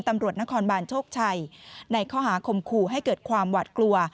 ตำรวจนครบานโชคชัยในข้อหาคมขู่ให้เกิดความหวัดกลัว